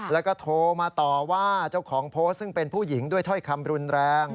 แล้วก็โทรมาต่อว่าเจ้าของโพสต์ซึ่งเป็นผู้หญิงด้วยถ้อยคำรุนแรง